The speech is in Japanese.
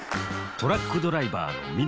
トラックドライバーの峯田。